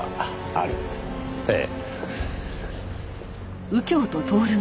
ええ。